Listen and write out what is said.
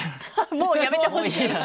もうやめてほしいと。